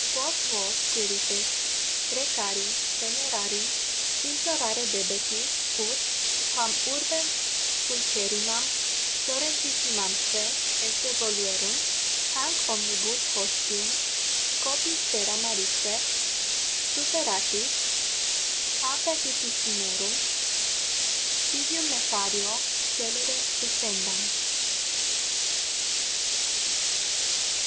Quos vos, Quirites, precari, venerari, implorare debetis, ut, quam urbem pulcherrimam florentissimamque esse voluerunt, hanc omnibus hostium copiis terra marique superatis a perditissimorum civium nefario scelere defendant.